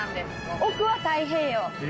奥は太平洋。